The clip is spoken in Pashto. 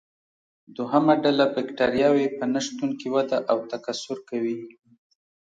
دوهمه ډله بکټریاوې په نشتون کې وده او تکثر کوي.